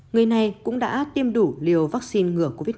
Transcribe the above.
người này cũng đã tiêm đủ liều vaccine ngừa covid một mươi chín